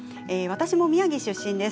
私も宮城出身です。